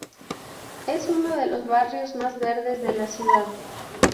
Es uno de los barrios más verdes de la ciudad.